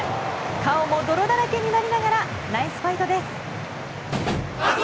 顔も泥だらけになりながらナイスファイトです。